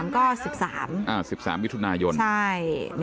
๑๓ก็๑๓อ่า๑๓อิทธุนายนใช่